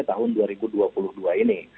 tahun dua ribu dua puluh dua ini